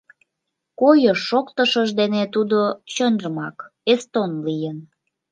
Койыш-шоктышыж дене тудо, чынжымак, эстон лийын.